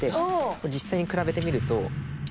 これ実際に比べてみると。